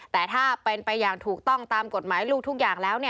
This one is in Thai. แต่ถ้าเป็นไปอย่างถูกต้องตามกฎหมายลูกทุกอย่างแล้ว